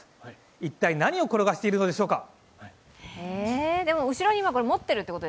一体何を転がしているのでしょうか？